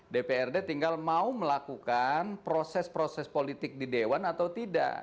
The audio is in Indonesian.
dprd tinggal mau melakukan proses proses politik di dewan atau tidak